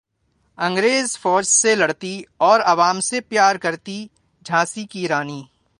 انگریز فوج سے لڑتی اور عوام سے پیار کرتی جھانسی کی رانی